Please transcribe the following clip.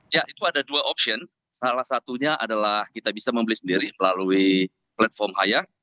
ya itu ada dua opsi salah satunya adalah kita bisa membeli sendiri melalui platform ayah